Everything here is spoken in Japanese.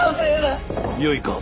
よいか。